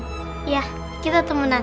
iya kita temenan